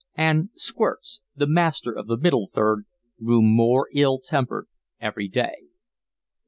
And Squirts, the master of the Middle Third, grew more ill tempered every day.